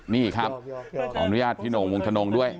นี่ครับขออนุญาตพี่โหน่งวงชนงด้วย